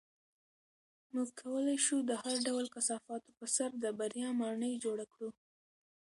موږ کولی شو د هر ډول کثافاتو په سر د بریا ماڼۍ جوړه کړو.